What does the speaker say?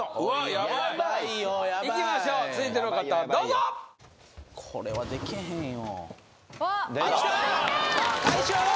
やばいいきましょう続いての方どうぞこれはでけへんよあっ来た大将！